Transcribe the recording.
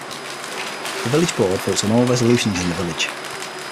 The village board votes on all resolutions in the village.